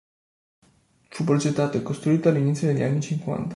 Fu progettato e costruito all'inizio degli anni cinquanta.